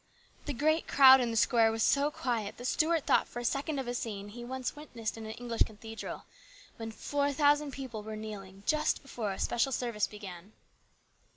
The great crowd in the square was so quiet that Stuart thought for a second of a scene he once witnessed in an English cathedral when four thousand people were kneeling just before a special service began.